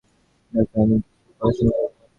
ঢাকায় আমি কিছু পড়াশোনা করব।